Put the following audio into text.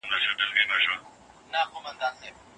ځینې کسان سګریټ پرېښي دي.